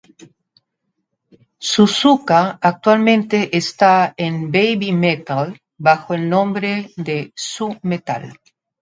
Suzuka actualmente está en Babymetal bajo el nombre de Su-metal.